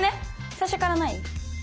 最初からない？